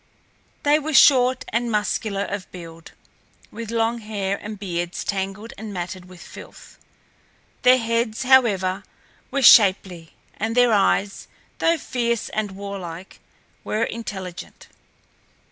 They were short and muscular of build, with long hair and beards tangled and matted with filth. Their heads, however, were shapely, and their eyes, though fierce and warlike, were intelligent.